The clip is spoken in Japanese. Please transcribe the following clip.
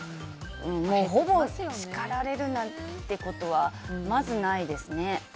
もう、ほぼ叱られるなんてことはまずないですね。